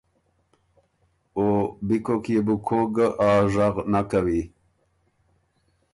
او بی کوک يې بو کوک ګۀ آ ژغ نک کَوی